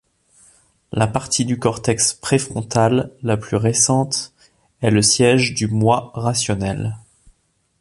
La partie du cortex préfrontal, la plus récente, est le siège du Moi rationnel.